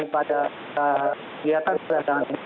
pada kelihatan kejadian ini